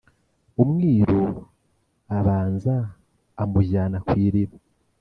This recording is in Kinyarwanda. umwíru ábanza amujyana kw' iriba